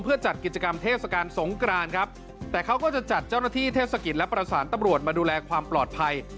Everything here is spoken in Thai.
เพื่อจัดกิจกรรมเทศกาลสงกรานครับแต่เขาก็จะจัดเจ้าหน้าที่เทศกิจและประสานตำรวจมาดูแลความปลอดภัย